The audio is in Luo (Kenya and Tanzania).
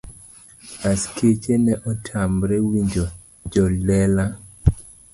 askeche ne otamre winjo jojela.